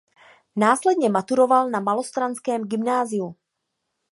Následně maturoval na malostranském gymnáziu.